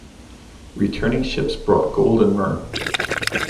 Returning ships brought gold and myrrh.